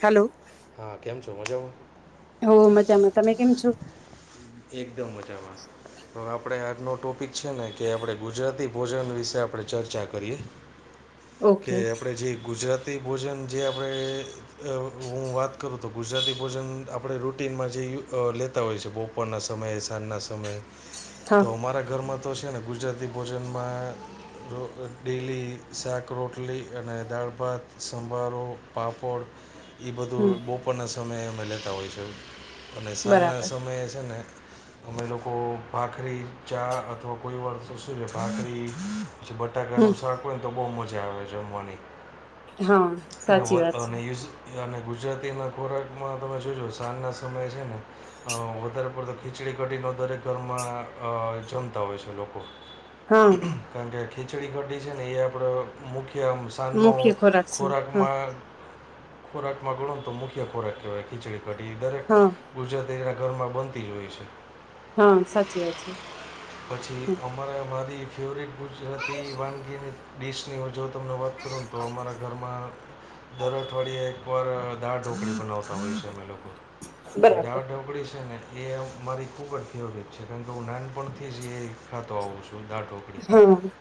Hello હા કેમ છો મજામાં? હોવ મજામાં. તમે કેમ છો? કે એકદમ મજામાં. તો આપડે આજનો ટોપિક છે ને કે આપડે ગુજરાતી ભોજન વિશે આપણે ચર્ચા કરીએ કે ઓકે આપણે જે ગુજરાત તી ભોજન જે આપણે એટલે હું વાત કરું. તો ગુજરાતી ભોજન આપણે રૂટિનમાં જેય લેતા હોઈએ છીએ બોપ પરના સમયે, સાંજના સમયે હા તો અમારા ઘરમાં તો છે ને ગુજરાતી ભોજનમાં તો ડેલી શાક રોટલી અને દાળ ભાત, સંભારો, પાપડ ઈ બધું હમ બપોરના સમયે અમે લેતા હોય છે અને સાંજના બરાબર સમયે છે ને અમે લોકો ભાખરી ચા અથવા કોઈ વાર શું સે ને ભાખરી પછી બટાકાનું હમ શાક હોય ને તો બહુ મજા આવે જમવાની. હા એટલે સાચી વત વાત છે અને ને અને ગુજરાતીના ખોરાકમાં તમે જોજો સાંજના સમયે છે ને અ વધારે ઉપર તો ખીચડી કઢીને દરેક ઘરમાં અ જમતા હોય છે લોકો હા કેમ કે ખીચડી કઢી છે ને એ આપણો મુખ્ય આમ સાજનો મુખ્ય ખોરાક છે હા ખોરાકમાં ખોરાકમાં ગણોને તો મુખ્ય ખોરાક કહેવાય ખીચડી કઢી એ દરેક હા ગુજરાતીના ઘરમાં બન તી હોય છે. હહ સાચી વાત છે. પછી અમારે મારી ફેવરેટ ગુજરાતી વાનગીની ડિશની તમને વાત કરુંને તો અમારા ઘરમાં દર અઠવાડિયે એક ઉપર દાળ ઢોકળી બનાવતા હોઈએ છી અમે લોકો તો બરાબર દાળ ઢોકળી છે ને એ મારી ખૂબ જ ફેવરેટ છે. કારણ કે હું નાનપણથી જ એ ખાતો આવું છું દાળ ઢોકળી. હહ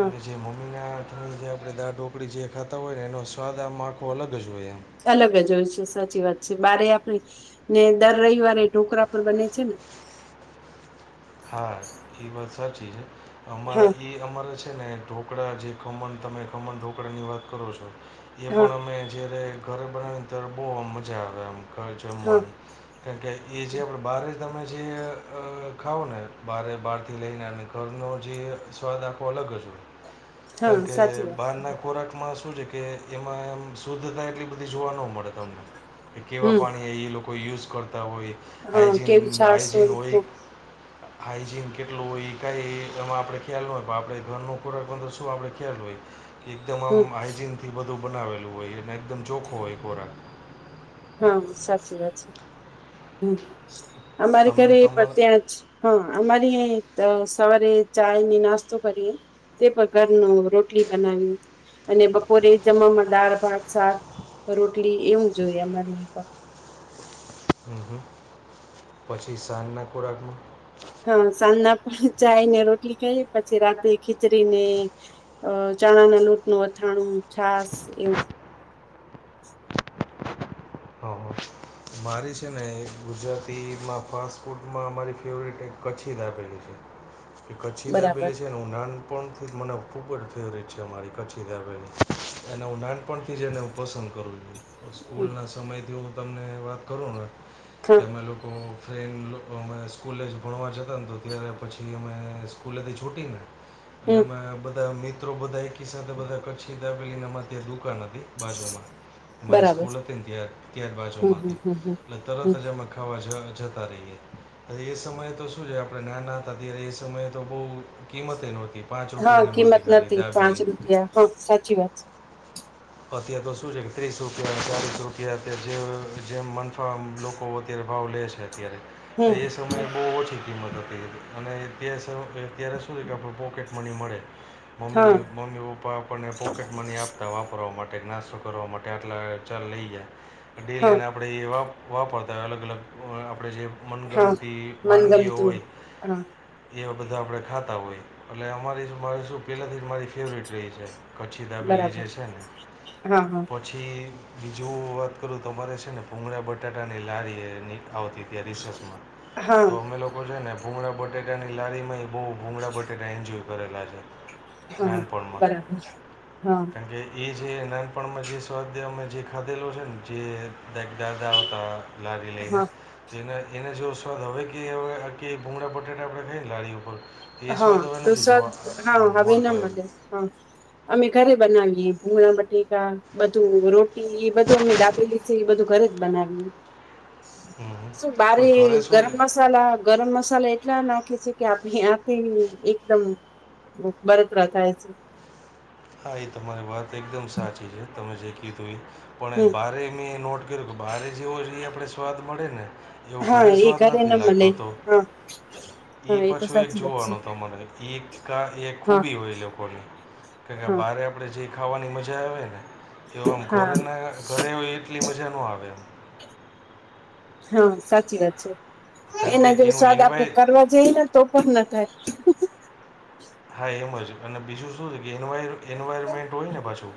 અને જે મમ્મીના અને જે આપણે દાળ ઢોકળી જે ખાતા હોય ને એનો સ્વાદ આમ આખો અલગ જ હોય આમ. અલગ જ હોય છે સાચી વાત છે. બારે આપણે ને દર રવિવારે ઢોકરા પર બને છે ને? હા ઈ વાત સાચી છે. અમારા હા ઈ અમારે છે ને ઢોકળા જે ખમણ તમે ખમણ ઢોકરાની વાત કરો છો. એ હા પણ અમે જ્યારે ઘરે બનાવી ત્યારે બહુ આમ મજા આવે આમ ઘર હા જમવાની. કેમ કે એ જે આપણે બાર તમે જે અ ખાવ ને બારે બહારથી લઈને અને ઘરનો જે સ્વાદ આખો અલગ જ હોય. કારણ હા કે સાચી વાત છે બહારના ખોરાકમાં શું છે કે એમાં એમ શુદ્ધતા એટલી બધી જોવા ન મળે તમને કે કેવા હમ પાણી એ લોકો યુઝ કરતા હોય હા હજીન કેવી છાસ હજીન હોય હાઈજીન કેટલું હોય એ કઈ એમાં આપડે ખ્યાલ ન હોય પણ આપણેે ઘરનો ખોરાકંદર તુ આપણે ખેલ હોય કે એકદમ આમ હમ હાયજીન થી બધું બનાવેલું હોય એ અને એકદમ ચોખ્ખો હોય ખોરાક. હહ સાચી વાત છે. હમ અમારે તમે ઘરે પણ તમારા ત્યાં જ હહ અમારી ઈયા ત સવારે ચાયને નાસ્તો કરીએ. તે પણ ઘરનું રોટલી બનાવીએ. અને બપોરે જમવામાં દાળ, ભાત, શાક, રોટલી એવું જ હોય અમારે અહીંયા પણ. હમ હમ. પછી સાંજના ખોરાકમાં? હહ સાંજના પણ ચાય ને રોટલી ખાઈએ પછી રાતે ખીચડીને અ ચણાના લોટનું અથાણું, છાસ એવું. હહ હહ મારી છે ને એ ગુજરાતીમાં ફાસ્ટ ફૂડમાં મારી ફેવરિટ એક કચ્છી દાબેલી છે. એ કચ્છી બરાબર દાબેલી છે હું નાન પણથી જ મને ખૂબ જ ફેવરિટ છે અમારી કચ્છી દાબેલી એને હું નાન આપણથી જને પસંદ કરું જોઈ હમ સ્કૂલના સમયથી હું તમને વાત કરું ને હા કેમે એ લોકો ફ્રેન્ડ અમે સ્કૂલે જ ભણવા જતાં ને તો ત્યારે પછી અમે સ્કૂલેથી છૂટીને એટલે હમ એમાં બધા મિત્રો બધા એકી સાથે બધા કચ્છી ધાબેલીને એમાંથી દુકાન હતી બાજુમાં મારી બરાબર સ્કૂલ હતી તાર હમ બાજુમાંથી હમ હમ હમ એટલે તરત હમ જ જમવા ખાવાજતા રહીએ અ એ સમયે તો શું છે આપણે નાના હતા ત્યારે એ સમયે તો બહુ કિંમતે નહોતી પાંચ હા રૂપિયાની મૂર્તિ કિંમત ખરી નથી પાંચ દાાવેલી રૂપિયા હા સાચી વાત છે અત્યારે તો શું છે કે ત્રીસ રૂપિયા ચાલીસ રૂપિયા અત્યારે જે જેમ મનફામ લોકો અત્યારે ભાવ લે છે અત્યારે તો છે હમ એ સમયે બહુ ઓછી કિંમત હતી હતી અને તે અત્યારે શું છે કે આપણ પોકેટ મની મળે હા મમ્મી મમ્મી પપ્પા આપણને પોકેટ મની આપતા વાપરવા માટે નાસ્તો કરવા માટે આટલા ચાલ લઈ ગયા હા ડેલીને આપણે એ વા વાપરતા હોય અલગ અલગ આપણે જે હા મનગમતી વાનગીઓ મનગમતું હોય હા એવા બધા આપણે ખાતા હોય એટલે અમારી શ મારે શું પહેલાંથી જ મારી ફેવરિટ રહી છે કચ્છી દાબેલી બરાબર જે છે ને હા હા પછી બીજું વાત કરું તમારે છે ને પૂગડાા બટાટાની લારી એ ની આવતી રિસેસમાં હા તો અમે લોકો જો ને ભૂમળ બટેટાની લારી માં બહુ ભૂંગળાબટેને એન્જોય કરેલા છે હા હા નાનપડમાં બરાબર હા કારણ કે એ જે નાનપણમાં જે સ્વાધ્યમાં જે ખાધેલો છે ને જે દદાર હતા લડી લના હા એ એને જો સ્વાદ હવે કે કે ભૂગળા બટેાટા આપણે ખાઈએને લાળી ઉપર એ હા સ્વાદ હવે તું નથી સદ જોવા હા આમ હવે મળતો ના એમ મને હા અમે ઘરે બનાવીએ ભૂગણા બટેકા બધું રોટી એ બધું અમે દાબેલી એ બધું ઘરે જ બનાવીએ [unintelligible] હં હં શું પણ ઘરે બારી ગરમ શું મસાલા ગરમ મસાલા એટલા નાખી છે કે આપણી તે એકદમ બળતરા થાય છે હા એ તમારી વાત એકદમ સાચી છે તમે જે કીધું એ પણ હમ બારે મેં નોટ બારે જવો જો એ આપે સ્વાદ મળે ને એવો હા ઘરે એ સ્વાદ ન નથી લાગતો મળે તો હા હા ઈ એ તો પાછું એક સાચી વાત જોવાનું છે તમારે ઈ કા એ હા ખૂબી હોય લોકોને કે હા બારે આપણે જે ખાવાની મજા આવે ને એવા આમ હા ઘરેના ઘરે હોય એટલી મજા ન આવે હા સાચી વાત છે કારણ એના કે જો એનું સ્વાદ આપણે એન્વાય કરવા જઈ ને તો પણ ના થાય હા એમ હજુ અને બીજું શું છે કે એનું વાય એન્વાયરમેન્ટ હોય ને પાછું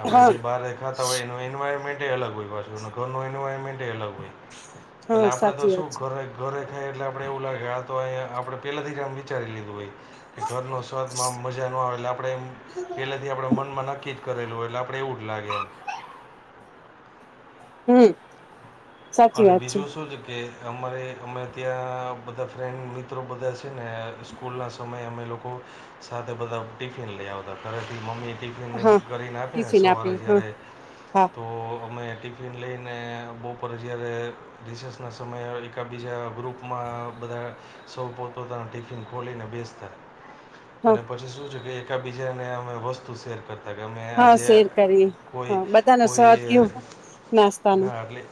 આપડણે હા જે બહાર રેખાતા હોય એનું એન્વાયરમેન્ટ અલગ હોય પાછ ઘર ન એવાયરમેન્ટ અલગ હોય એટલે હા આપડે તો સાચી શું વાત છે ઘરે ઘરે ખાય એટલે આપણે એવું લાગે આ તો અહીંયા આપણે પહેલાંથીમ વિચારી લીધું ભાઈ કે ઘરનો સ્વાદમાં મજા ન આવે એટલે આપણે એમ પેલાથી આપડે મન માં નક્કી જ કરેલું હોય એટલે આપણે એવું જ લાગે એમ હમ સાચી અને વાત બીજું શું છે કે અમારે અમે ત્યાં બધા ફ્રેન્ડ મિત મિત્ર બધા છે ને સ્કૂલના સમયે અમે લોકો સાથે બધા ટિફિન લઈ આવતા ઘરેથી મમ્મી ટિફિન હા કરીને આપીને ટિફિન સવારે આપી હા જ્યારે હા તો અમે ટિફ ટ્રીન લઈને બપપોરે જ્યારે રિસેર્સના સમયે એકાબીજા ગ્રુપમાં બધા સૌ પોતપોતાનું ટિફિન ખોલીને બેસતા હા અને પછી શું છે, કે એકાબીજાને અમે વસ્તુ શેર કરતા ત કે મેં હા આજે શેર કરીએ કોઈ હા બધાનો કોઈ સ્વાદ કયો નાસ્તાનો એટલે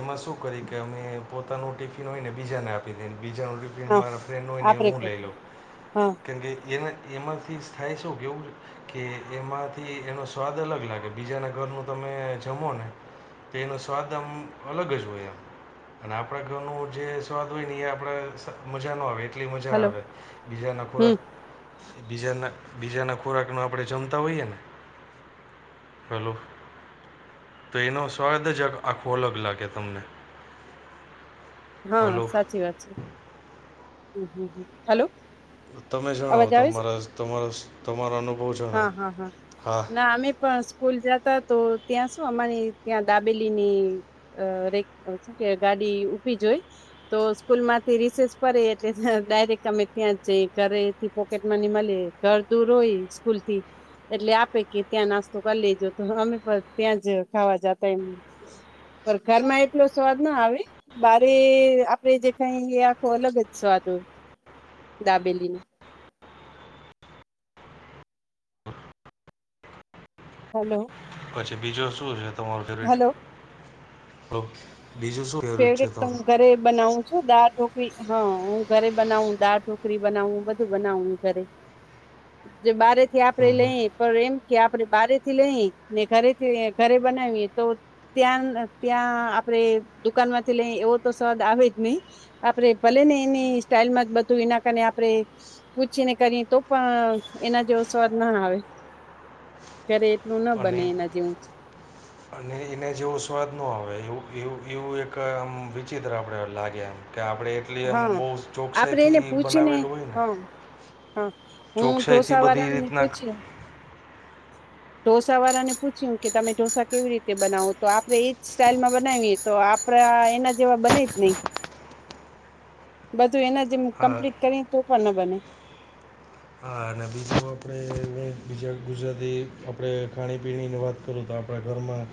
એમાં શું કરી કે અમે પોતાનું ટિફિન હોય ને બીજાને આપી દઈને બીજાનું હા મારા ફ્રેન્ડ હોય ને એ આપડે હું લઈ કરશું લોઉં હા કેમકે એમાંથી થાય શું કે એવું કે એમાંથી એનો સ્વાદ અલગ લાગે બીજાના ઘરનું તમે જમો ને તેનું સ્વાદંમ અલગ જ હોય એમ અને આપણા ઘરનું જે સ્વાદ હોય ને એ આપણે મજાનો આવે આટલી મજા હલો આવે બીજાના હમ ખોરાક બીજાના બીજાના ખોરાકનો આપણે જમતા હોઈએ ને હેલો તો એનો સ્વાદ જ આખો અલગ લાગે કે તમને હા હલો સાચી વાત છે, હમ હ હલો તમે જણાવો અવાજ આવે છે તમારા તમારો તમારો અનુભવ જણાવો હા હા હા હા ના અમે પણ સ્કૂલ જતા તો ત્યાં શું અમારી ત્યાં દાબેલી ની અ શું કે ગાડી ઉીભી જ જોઈ તો સ્કૂલ માંથી રિસેસ ફરેે એટલે ડાયરેક્ટ અમે ત્યાં જ જઈ ઘરેથી પોકેટ મની મલે ઘર દૂર હોય સ્કૂલ થી એટલે આપે કે ત્યાં નાસ્તો કરી લેજો તો અમે પણ ત્યાં જ ખાવા જતા એમ પર ઘરમાં એટલો સ્વાદ ના આવે બારે આપડે જે કઈ આખો અલગ જ સ્વાદ હો, દાબેલી નું [unintelligible] હલો પછી બીજું શું છે, તમારું ફેવરેટ હલો તો બીજું શું ફેવરિટ છે ફેવરેટ તો તમારું હું ઘરે બનાવું છું દાળ ઢોકળી હા, હું ઘરે બનાવ દાળ ઢોકી પુરી, બનાવું બધું બનાવવું ઘરે, જે બારે થી આપડે હમ હમ લઈ પણ એમ કે આપડે બારે થી લઈ ને ઘરેથી ઘરે બનાવીએ તો ત્યાં, ત્યાં આપડે દુકાન માંથી લઈ એવો તો સ્વાદ આવે જ નહી આપડે ભલે ને એની સ્ટાઈલમાં જ બધું એના કને આપણે પૂછીને કરી તો પણ એના જેવો સ્વાદ ના આવે [inaudible] ધરે એટલું ના અને બને એના જેવું જ અને એને જેવો સ્વાદ ન આવે એવું એવું, એવું એક આમ વિચિત્ર આપણે લાગે એમ કે આપણે એટલી એમ હા બહુ આપડે એને ચોકસાઈથી પૂછીને બનાવેલું હોય ને હા હા, હું ચોકસાઈથી ઢોસા બધી વાળા ને રીતના પૂછયુ ઢોસા વાળા ને પૂછ્યું કે તમે ઢોસા કેવી રીતે બનાવો, તો આપણે ઈજ સ્ટાઈલમાં બનાવીએ તો આપડે એના જેવા બને જ ની [inaudible] બધું એના જેમ હા કમ્પ્લીટ કરી તો પણ ન બને હા, અને બીજું આપણે બીજા ગુજરાતી આપણે ખાણીપીણીની વાત કરું તો આપણા ઘરમાં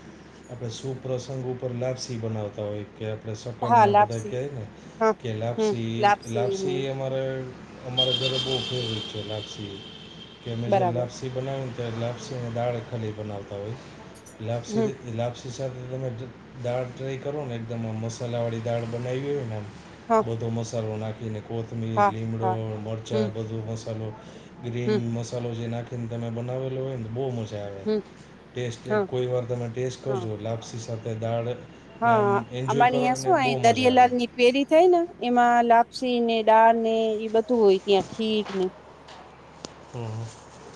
આપણે સુપ્રસંગ ઉપર લાપસી બનાવતા હોય કે આપણે સકન હા ના બધા લાપસી કહેય ને હા કે હમ લાપસી, ને લાપસી અમારા ઘરે બવ ફેવરેટ છે, લાપસી કે અમે જે બરાબર બનાવતા હોય ને ત્યારે ખાલી લાપસીને દાળ જ બનાવતા હોઈ લાપસી હમ [unintelligible] [unintelligible] તમે દાળ ટ્રાય કરો ને એકદમ આ મસાલાવાળી દાળ બનાવી હોય ને હા બધો મસાલો નાખીને કોથમીર, હા લીમડો, હા મરચાં, હમ બધો મસાલો ગ્રીન હમ મસાલો જે નાખીને તમે બનાવેલો હોય ને બહુ મસ્ત હમ હા [unintelligible] કોઈ વાર તમે ટેસ્ટ હા કરજો લાપસી સાથે દાળ ને આમ હા, એન્જોય અમાણી કરો અને છો બહુ મજા આવે દરિયાલાલની પેરી થાય ને એમાં લાપસી ને ડાળ ને એ બધું હોય, ત્યાં ખીર ને હમ્મ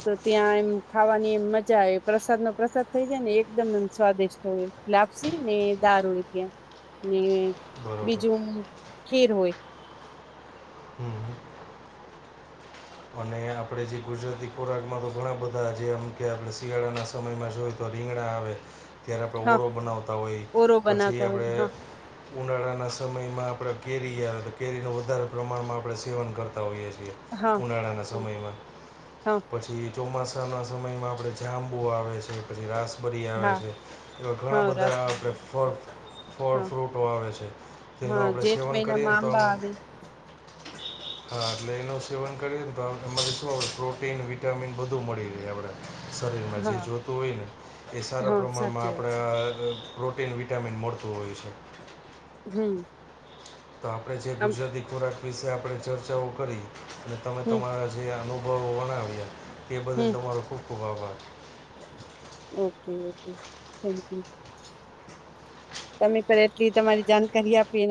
તો ત્યાં એમ ખાવાની એમ મજા આવે પ્રસાદ નો પ્રસાદ થઈ જાય ને એકદમ એમ સ્વાદિષ્ટ હોય લાપસી ને દાળ હોય ત્યાં ને બરોબર બીજું ખીર હોય હમ અને આપણે જે ગુજરાતી ખોરાકમાં તો ઘણા બધા જેમ કે આપણે શિયાળાના સમયમાં જોય તો રીંગણા આવે ત્યારે આપણે હા ઓળો બનાવતા હોય, ઓરો પછી બનાવતા આપણે હોય ઉનાળાના સમયમાં આપણે કેરી આવે તો કેરીનું વધારે પ્રમાણમાં આપણે સેવન કરતા હોઈએ છીએ હા ઉનાળાના હા સમયમાં હા પછી ચોમાસાના સમયમાં આપણે જાંબુ આવે છે પછી રાસબરી આવે હા છે, એવા ઘણા હા રાસ બધા આપણે ફળ ફળ, હા ફ્રૂટો વાવે છે, તેનું હા આપણે જેઠ સેવન કરીએને મહિનામાં તો આંબા આમ આવે હા, એટલે એનો સેવન કરીએને તો એમાંથી શું આપડા માટે શું પ્રોટીન વિટામીન બધું મળી રહે આપણે, શરીરમાં જે હા જોતું હોય ને, એ સારા હા પ્રમાણમાં સાચી વાત છે આપણે પ્રોટીન વિટામિન મળતું હોય છે, હમ્મ તો આપણે જે ગુજરાતી ખોરાક વિશે આપણે ચર્ચાઓ કરી, અને તમે હમ તમારા જે અનુભવો વોરાવ્યા એ બદલ હમ તમારો ખૂબ ખૂબ આભાર ઓકે, ઓકે, થેન્ક યુ તમે પણ એટલી તમારી જાણકારી આપી, એના